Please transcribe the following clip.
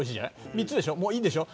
３つは、もういいでしょ。